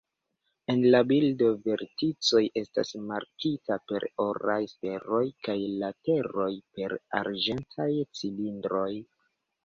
En la bildo verticoj estas markita per oraj sferoj, kaj lateroj per arĝentaj cilindroj.